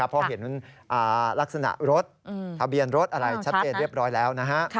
เพราะเห็นลักษณะรถทะเบียนรถอะไรชัดเจนเรียบร้อยแล้วนะฮะ